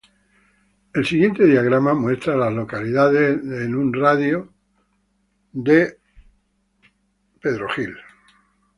El siguiente diagrama muestra a las localidades en un radio de de South Rosemary.